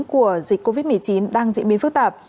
tại vì dịch covid một mươi chín đang diễn biến phức tạp